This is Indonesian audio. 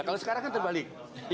kalau sekarang kan terbalik